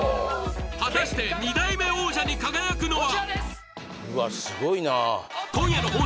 果たして２代目王者に輝くのは？